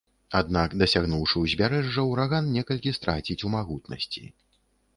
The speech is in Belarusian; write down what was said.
Аднак дасягнуўшы ўзбярэжжа, ураган некалькі страціць у магутнасці.